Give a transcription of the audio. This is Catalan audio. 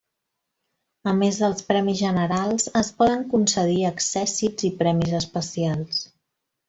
A més dels premis generals, es poden concedir accèssits i premis especials.